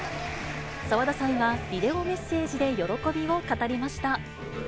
沢田さんはビデオメッセージで喜びを語りました。